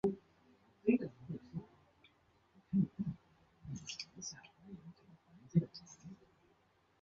该线与北总线共用设施直至印幡日本医大站为止。